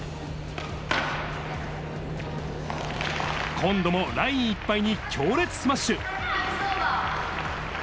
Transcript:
今度もラインいっぱいに強烈スマッシュ。